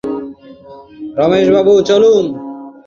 বিপিন নিস্তব্ধ রমেশকে স্পর্শ করিয়া কহিল, রমেশবাবু, চলুন।